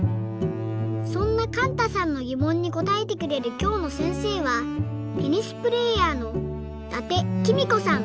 そんなかんたさんのぎもんにこたえてくれるきょうのせんせいはテニスプレーヤーの伊達公子さん。